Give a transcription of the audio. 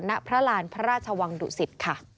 ณพระราชวังดุสิต